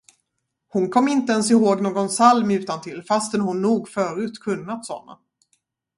Hon kom inte ens ihåg någon psalm utantill, fastän hon nog förut kunnat sådana.